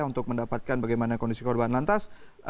untuk mendapatkan bagaimana kondisi korban lantas